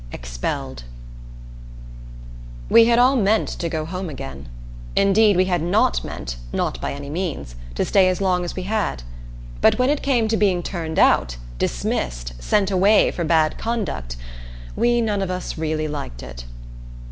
Expelled We had all meant to go home again. Indeed we had not meant not by any means to stay as long as we had. But when it came to being turned out, dismissed, sent away for bad conduct, we none of us really liked it.